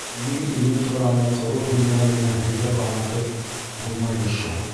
— Минең илем тураһында ҡоро һүҙ менән генә һөйләп-аңлатып булмайҙыр шул.